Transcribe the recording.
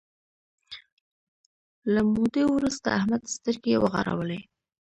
له مودې وروسته احمد سترګې وغړولې.